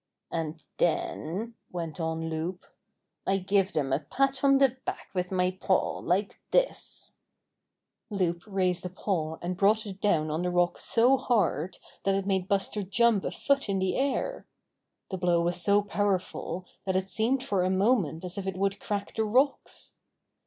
"And then," went on Loup, "I give them a pat on the back with my paw like this." 17 Buster and Loup Loup raised a paw and brought it down on the rock so hard that it made Buster jump a foot in the air. The blow was so powerful that it seemed for a moment as if it would crack the rocks.